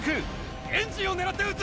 エンジンを狙って撃つ。